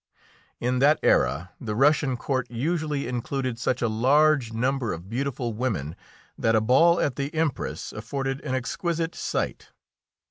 In that era the Russian court usually included such a large number of beautiful women that a ball at the Empress afforded an exquisite sight.